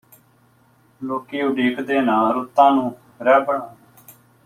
ਲੋਕੀ ਉਡੀਕਦੇ ਨਾ ਰੁੱਤਾਂ ਨੂੰ ਰਹਿਬਰਾਂ ਨੂੰ